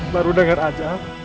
baru denger aja